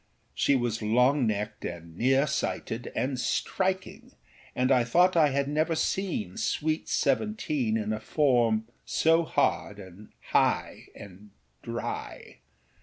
She was long necked and near sighted and striking, and I thought I had never seen sweet seventeen in a form so hard and high and dry.